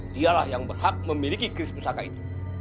dialah yang berhak memiliki kerisapu jagad